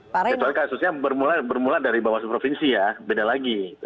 kecuali kasusnya bermula dari bawaslu provinsi ya beda lagi